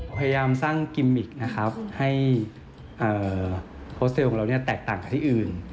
พยายามสร้างกิมมิกนะครับให้โสเซลล์ของเราเนี่ยแตกต่างกับที่อื่น